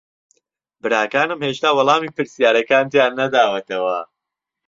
براکانم هێشتا وەڵامی پرسیارەکانتیان نەداوەتەوە.